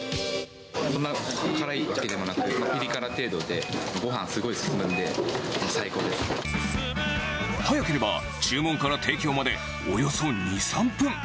そんな辛いわけでもなく、ピリ辛程度で、ごはんすごい進むんで、早ければ注文から提供までおよそ２、３分。